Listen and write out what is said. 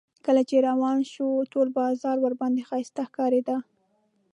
کله چې روانه شوه ټول بازار ورباندې ښایسته ښکارېده.